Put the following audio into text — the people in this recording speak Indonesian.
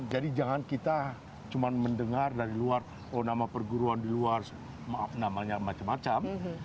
jadi jangan kita cuma mendengar dari luar oh nama perguruan di luar namanya macam macam